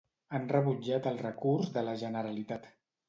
Han rebutjat el recurs de la Generalitat.